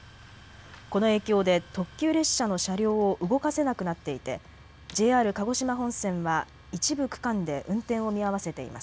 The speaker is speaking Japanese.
この影響で特急列車の車両を動かせなくなっていてＪＲ鹿児島本線は一部区間で運転を見合わせています。